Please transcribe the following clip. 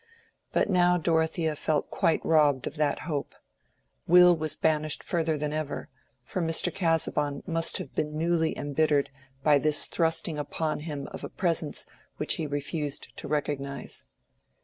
But now Dorothea felt quite robbed of that hope. Will was banished further than ever, for Mr. Casaubon must have been newly embittered by this thrusting upon him of a presence which he refused to recognize.